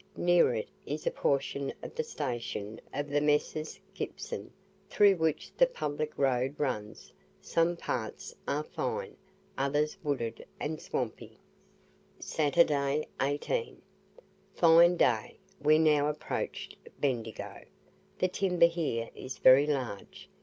Near it is a portion of the station of the Messrs. Gibson, through which the public road runs; some parts are fine, others wooded and swampy. SATURDAY, 18. Fine day; we now approached Bendigo. The timber here is very large.